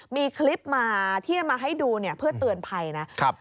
มีคลิปมาที่จะมาให้ดูเนี่ยเพื่อเตือนภัยนะครับ